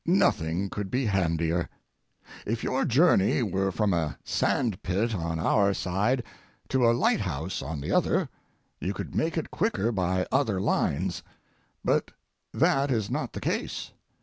Nothing could be handier. If your journey were from a sand pit on our side to a lighthouse on the other, you could make it quicker by other lines, but that is not the case.